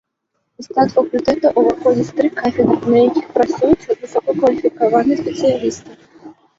У склад факультэта ўваходзяць тры кафедры, на якіх працуюць высокакваліфікаваныя спецыялісты.